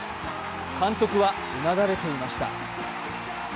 監督はうなだれていました。